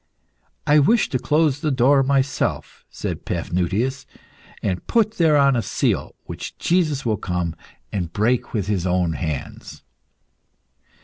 "I wish to close the door myself," said Paphnutius, "and put thereon a seal, which Jesus will come and break with His own hands."